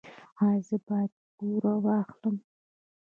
ایا زه باید پور واخلم؟